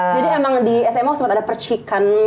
jadi emang di sma aku sempet ada percikan